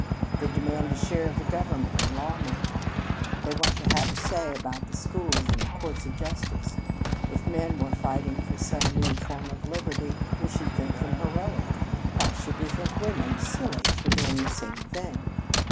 They demand a share in the government and the lawmaking. They want to have a say about the schools and the courts of justice. If men were fighting for some new form of liberty, we should think them heroic. Why should we think women silly for doing the same thing?"